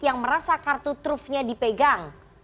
yang merasa kartu trufnya dipegang